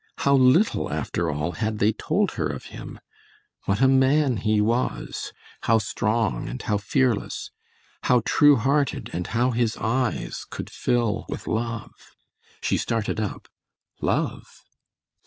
How little after all had they told her of him. What a man he was! How strong and how fearless! How true hearted and how his eyes could fill with love! She started up. Love?